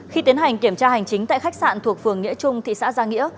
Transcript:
khi tiến hành kiểm tra hành chính tại khách sạn thuộc phường nghĩa trung thị xã gia nghĩa